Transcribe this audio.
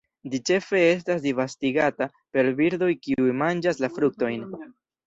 Ĝi ĉefe estas disvastigata per birdoj kiuj manĝas la fruktojn.